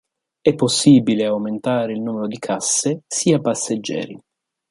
È possibile aumentare il numero di casse, sia passeggeri